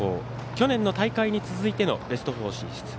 去年の大会に続いてのベスト４進出。